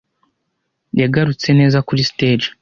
Yagarutse neza kuri stage.